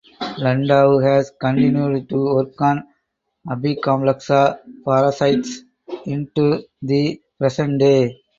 Landau has continued to work on Apicomplexa parasites into the present day.